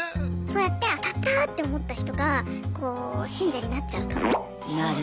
そうやって当たった！って思った人が信者になっちゃうと。